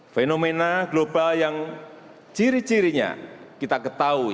fenomena global yang ciri cirinya kita ketahui